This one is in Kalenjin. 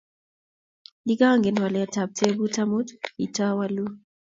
nfikyogen waletab tebut amut kitawalu